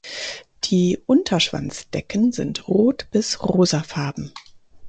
Die Unterschwanzdecken sind rot bis rosafarben.